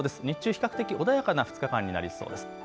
日中、比較的穏やかな２日間になりそうです。